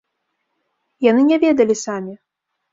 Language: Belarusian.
Яны не ведалі самі!